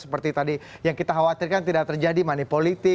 seperti tadi yang kita khawatirkan tidak terjadi money politic